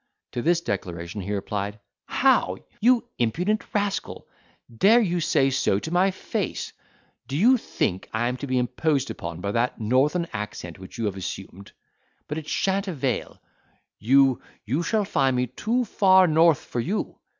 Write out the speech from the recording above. To this declaration he replied, "How! you impudent rascal, dare you say so to my face? Do you think I am to be imposed upon by that northern accent, which you have assumed? But it shan't avail you—you shall find me too far north for you.